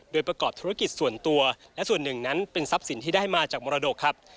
โดยประกอบธุรกิจส่วนตัวและส่วนหนึ่งนั้นเป็นทรัพย์สินที่ได้มาจากมรดกครับ